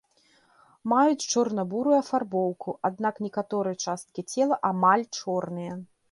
Маюць чорна-бурую афарбоўку, аднак некаторыя часткі цела амаль чорныя.